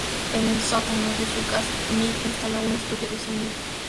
En el sótano de su casa, Mick instaló un estudio de sonido.